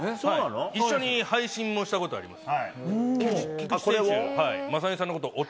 一緒に配信もしたことあります。